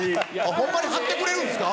ほんまに貼ってくれるんですか？